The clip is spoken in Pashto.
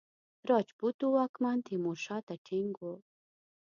راجپوتو واکمن تیمورشاه ته ټینګ وو.